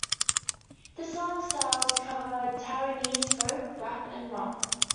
The songs' styles cover Taiwanese folk, rap, and rock.